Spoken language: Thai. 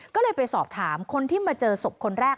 ก็เลยไปสอบถามคนที่มาเจอศพคนแรก